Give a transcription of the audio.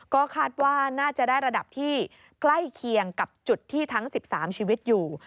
ก็คาดว่าน่าจะได้ระดับที่ใกล้เคียงกับจุดที่ทั้ง๑๓ชีวิตอยู่